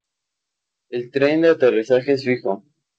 El tren de aterrizaje es fijo.